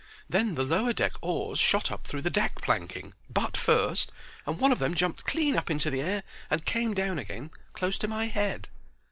Then the lower deck oars shot up through the deck planking, butt first, and one of them jumped clean up into the air and came down again close to my head."